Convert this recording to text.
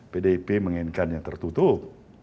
pdip menginginkan yang tertutup